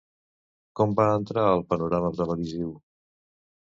Com va entrar al panorama televisiu?